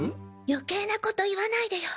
余計なこと言わないでよ。